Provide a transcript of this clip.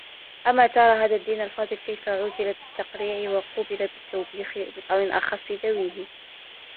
أَمَا تَرَى هَذَا الدَّيِّنَ الْفَاضِلَ كَيْفَ عُوجِلَ بِالتَّقْرِيعِ وَقُوبِلَ بِالتَّوْبِيخِ مِنْ أَخَصِّ ذَوِيهِ